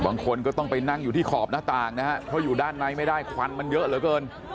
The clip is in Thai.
บางคนก็ต้องไปนั่งอยู่ที่ขอบหน้าต่างนะฮะเพราะอยู่ด้านในไม่ได้ควันมันเยอะเหลือเกิน